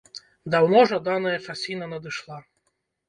Даўно жаданая часіна надышла.